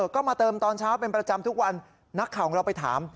ก็มาเติมตอนเช้าเป็นประจำทุกวันนักข่าวของเราไปถาม